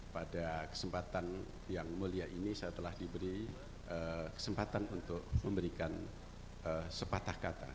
pada kesempatan yang mulia ini saya telah diberi kesempatan untuk memberikan sepatah kata